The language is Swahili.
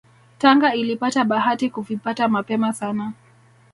Tanga ilipata bahati kuvipata mapema sana